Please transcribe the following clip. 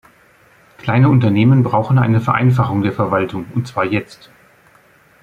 Kleine Unternehmen brauchen eine Vereinfachung der Verwaltung und zwar jetzt.